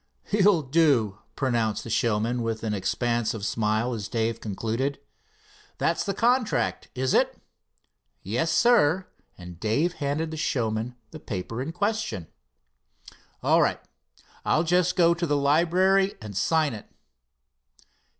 "You'll do," pronounced the showman with an expansive smile, as Dave concluded. "That's the contract, is it?" "Yes, sir," and Dave handed the showman the paper in question. "All right, I'll just go to the library and sign it."